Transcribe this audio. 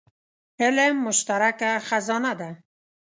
علم مشترکه خزانه ده.